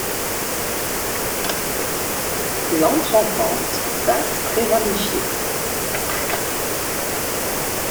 Plante rampante, basse très ramifiée.